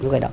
như cái đó